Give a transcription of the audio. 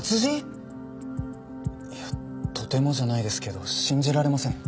いやとてもじゃないですけど信じられません。